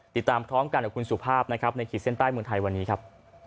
ติดตามพร้อมกันกับคุณสุภาพนะครับในขีดเส้นใต้เมืองไทยวันนี้ครับ